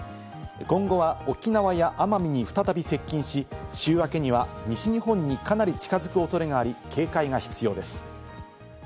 今後は沖縄や奄美に再び接近し、週明けには西日本にかなり近づく恐れがあり、警戒が必要です。